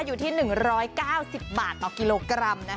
อยู่ที่๑๙๐บาทต่อกิโลกรัม